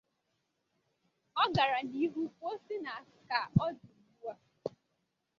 Ọ gara n’ihu kwuo sị na ka ọ dị ugbua